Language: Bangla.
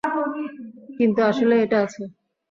কিন্তু আসলেই এটা আছে।